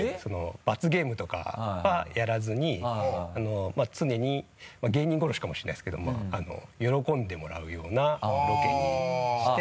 罰ゲームとかはやらずに常にまぁ芸人殺しかもしれないですけど喜んでもらうようなロケにして。